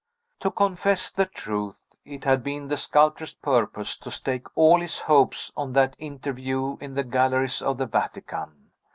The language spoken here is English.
To confess the truth, it had been the sculptor's purpose to stake all his hopes on that interview in the galleries of the Vatican.